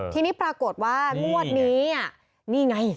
ทีนี้ปรากฏว่างวดนี้นี่ไง